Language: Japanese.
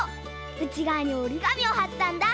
うちがわにおりがみをはったんだ。